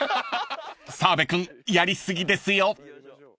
［澤部君やり過ぎですよ］